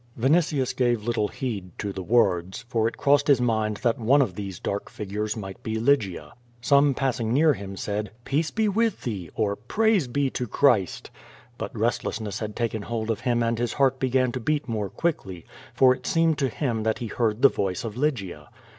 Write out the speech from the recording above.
Yinitius gave little heed to the words, for it crossed Ms mind that one of those dark figures might be Lygia. Some passing near him said: "Peace be with thee! or 'Traise be to Christ!" But restlessness had taken hold of him and his heart began to beat more quickly, for it seemed to him that he hoard the voice of Lygia.